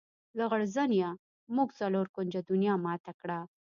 لغړزنیه! موږ څلور کونجه دنیا ماته کړه.